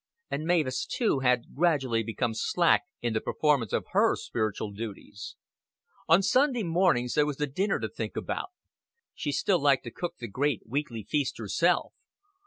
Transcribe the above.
And Mavis too had gradually become slack in the performance of her spiritual duties. On Sunday mornings there was the dinner to think about. She still liked to cook the great weekly feast herself.